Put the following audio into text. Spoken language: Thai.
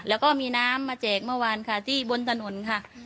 แล้วก็มีน้ำมาแจกเมื่อวานค่ะที่บนถนนค่ะ